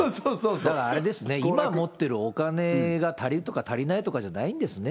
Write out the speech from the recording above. だからあれですね、今持ってるお金が足りるとか、足りないとかじゃないんですね。